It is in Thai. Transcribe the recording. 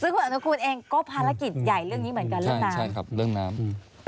ซึ่งคุณเองก็ภารกิจใหญ่เรื่องนี้เหมือนกันเรื่องน้ำ